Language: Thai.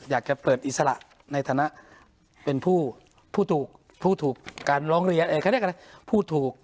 อยากเปิดอิสระในฐานะเป็นผู้ผู้ถูก